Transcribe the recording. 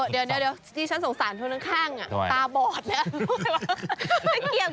เดี๋ยวที่ฉันสงสารคนข้างตาบอดทะเกียบคุณจะยางไปไหนคะ